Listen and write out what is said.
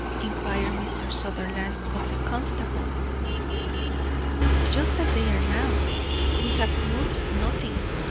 inquired Mr. Sutherland of the constable. "Just as they are now; we have moved nothing.